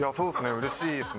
うれしいですね。